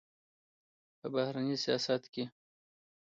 په بهرني سیاست کې